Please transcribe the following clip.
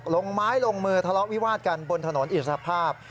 ลงไม้ลงมือทะเลาะวิวาดกันบนถนนอิสภาพ